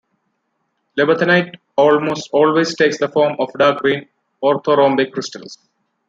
Libethenite almost always takes the form of dark-green orthorhombic crystals.